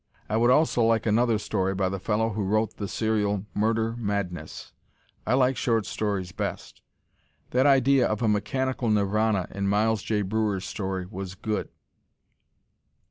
I would also like another story by the fellow who wrote the serial "Murder Madness." I like short stories best. That idea of a mechanical nirvana in Miles J. Breuer's story was good.